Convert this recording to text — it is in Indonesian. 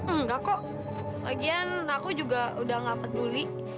enggak kok lagian aku juga udah gak peduli